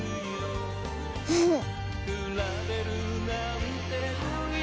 フフッ。